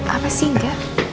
apa sih enggak